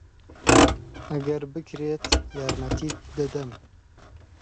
ئەگەر بکرێت یارمەتیت دەدەم.